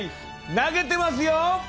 投げてますよ！